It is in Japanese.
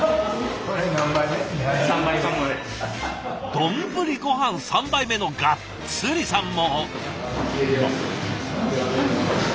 丼ごはん３杯目のガッツリさんも！